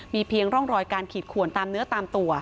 เพียงร่องรอยการขีดขวนตามเนื้อตามตัว